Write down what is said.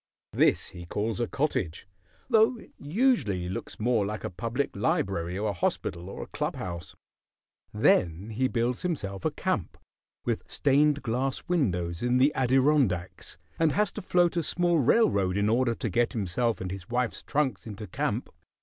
This he calls a cottage, though it usually looks more like a public library or a hospital or a club house. Then he builds himself a camp, with stained glass windows, in the Adirondacks, and has to float a small railroad in order to get himself and his wife's trunks into camp.